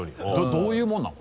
どういうものなの？